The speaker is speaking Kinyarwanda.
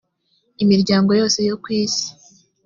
imiryango yose yo ku isi